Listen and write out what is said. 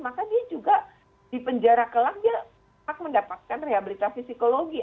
maka dia juga di penjara kelak dia mendapatkan rehabilitasi psikologi